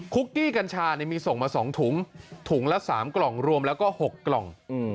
กี้กัญชามีส่งมา๒ถุงถุงละ๓กล่องรวมแล้วก็๖กล่อง